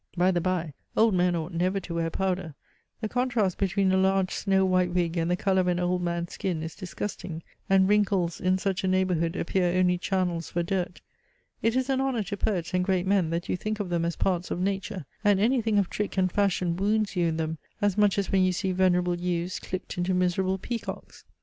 By the bye, old men ought never to wear powder the contrast between a large snow white wig and the colour of an old man's skin is disgusting, and wrinkles in such a neighbourhood appear only channels for dirt. It is an honour to poets and great men, that you think of them as parts of nature; and anything of trick and fashion wounds you in them, as much as when you see venerable yews clipped into miserable peacocks.